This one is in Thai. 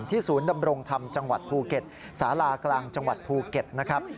ศูนย์ดำรงธรรมจังหวัดภูเก็ตสารากลางจังหวัดภูเก็ตนะครับ